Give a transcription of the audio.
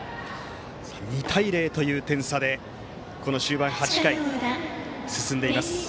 ２対０という点差で終盤の８回、進んでいます。